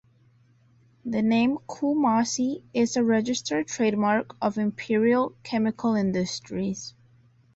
The name "Coomassie" is a registered trademark of Imperial Chemical Industries.